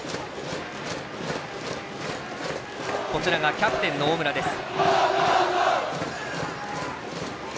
キャプテンの大村です。